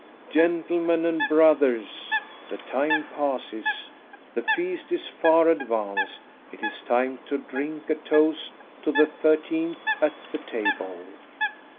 "Gentlemen and brothers, the time passes, the feast is far advanced, it is time to drink a toast to the thirteenth at the table